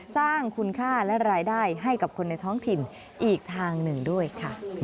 สร้างคุณค่าและรายได้ให้กับคนในท้องถิ่นอีกทางหนึ่งด้วยค่ะ